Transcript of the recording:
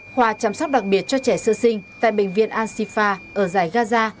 khoa chăm sóc đặc biệt cho trẻ sơ sinh tại bệnh viện ansifa ở giải gaza